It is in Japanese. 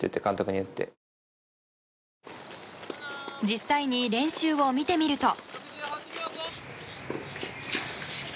実際に練習を見てみると。